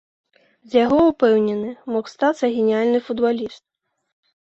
З яго, упэўнены, мог стацца геніяльны футбаліст.